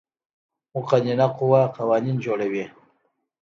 مقننه قوه قوانین جوړوي